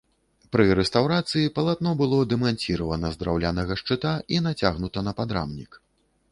Пры рэстаўрацыі палатно было дэманціравана з драўлянага шчыта і нацягнута на падрамнік.